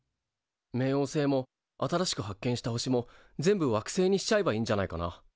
冥王星も新しく発見した星も全部惑星にしちゃえばいいんじゃないかな。